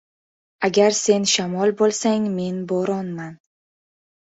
• Agar sen shamol bo‘lsang, men — bo‘ronman.